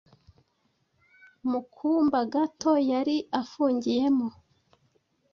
Mu kumba gato yari afungiyemo,